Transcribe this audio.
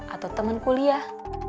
atau teman kuliah